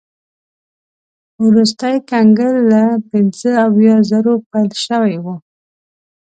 وروستی کنګل له پنځه اویا زرو پیل شوی و.